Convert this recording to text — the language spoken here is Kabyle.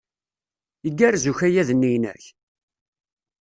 Igerrez ukayad-nni-inek?